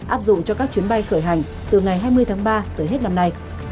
áp dụng cho các chuyến bay khởi hành từ ngày hai mươi tháng ba tới hết năm nay